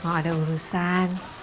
mau ada urusan